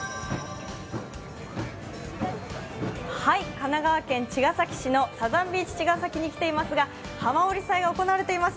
神奈川県茅ヶ崎市のサザンビーチちがさきに来ていますが浜降祭が行われています。